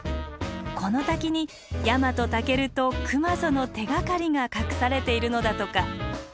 この滝にヤマトタケルと熊襲の手がかりが隠されているのだとか。